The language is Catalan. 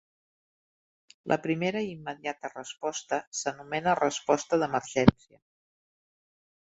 La primera i immediata resposta s'anomena resposta d'emergència.